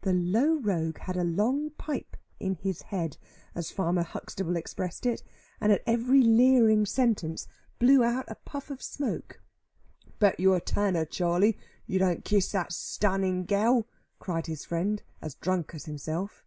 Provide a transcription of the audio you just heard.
The low rogue had a long pipe "in his head," as Farmer Huxtable expressed it, and at every leering sentence blew out a puff of smoke. "Bet you a tanner, Charley, you don't kiss that stunnin' gal," cried his friend, as drunk as himself.